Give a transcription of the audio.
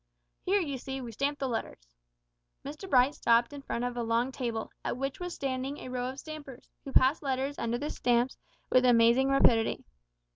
"Here, you see, we stamp the letters." Mr Bright stopped in front of a long table, at which was standing a row of stampers, who passed letters under the stamps with amazing rapidity.